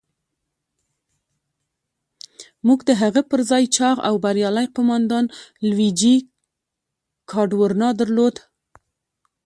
موږ د هغه پر ځای چاغ او بریالی قوماندان لويجي کادورنا درلود.